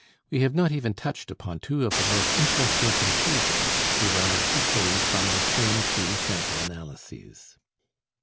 We have not even touched upon two of the most interesting conclusions, derived equally from the same two sample analyses.